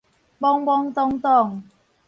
懵懂懵懂